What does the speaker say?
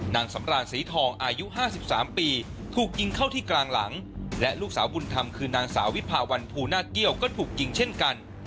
นางสำราญศรีทองอายุ๕๓ปีถูกยิงเข้าที่กลางหลังและลูกสาวบุญธรรมคือนางสาววิภาวันภูหน้าเกี้ยวก็ถูกยิงเช่นกัน